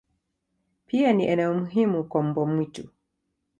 Pia ni eneo muhimu kwa mbwa mwitu.